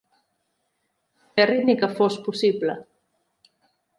Ferri ni que fos possible.